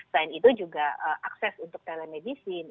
selain itu juga akses untuk telemedicine